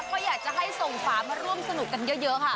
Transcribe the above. ก็อยากจะให้ส่งฝามาร่วมสนุกกันเยอะค่ะ